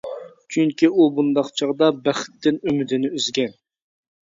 چۈنكى ئۇ بۇنداق چاغدا بەختتىن ئۈمىدىنى ئۈزگەن.